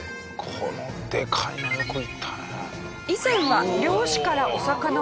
このでかいのよくいったね。